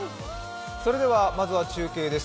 それではまずは中継です。